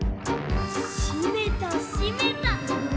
しめたしめた。